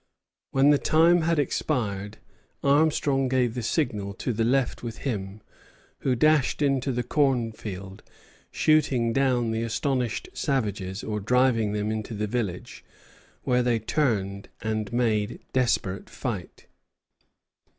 When the time had expired, Armstrong gave the signal to those left with him, who dashed into the cornfield, shooting down the astonished savages or driving them into the village, where they turned and made desperate fight.